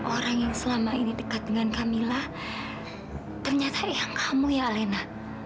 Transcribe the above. orang yang selama ini dekat dengan kamila ternyata nih kamu ya lena